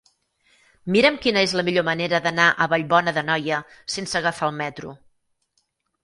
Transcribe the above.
Mira'm quina és la millor manera d'anar a Vallbona d'Anoia sense agafar el metro.